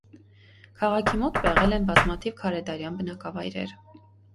Քաղաքի մոտ պեղել են բազմաթիվ քարեդարյան բնակավայրեր։